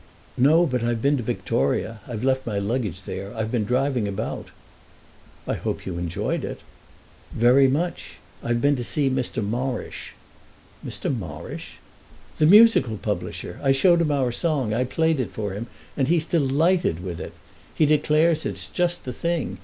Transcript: "No, but I've been to Victoria. I've left my luggage there—I've been driving about." "I hope you've enjoyed it." "Very much. I've been to see Mr. Morrish." "Mr. Morrish?" "The musical publisher. I showed him our song. I played it for him, and he's delighted with it. He declares it's just the thing.